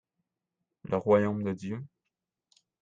le Royaume de Dieu.